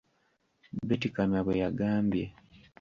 Beti Kamya bwe yagambye.